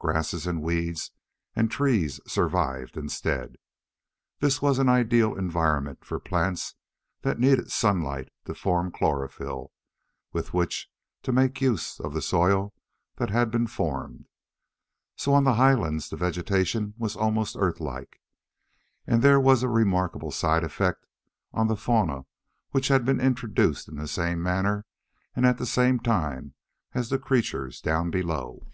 Grasses and weeds and trees survived, instead. This was an ideal environment for plants that needed sunlight to form chlorophyl, with which to make use of the soil that had been formed. So on the highlands the vegetation was almost earthlike. And there was a remarkable side effect on the fauna which had been introduced in the same manner and at the same time as the creatures down below.